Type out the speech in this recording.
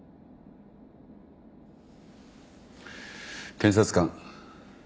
検察官。